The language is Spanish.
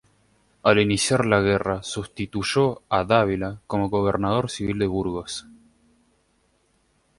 Al inicio de la guerra, sustituyó a Dávila como Gobernador Civil de Burgos.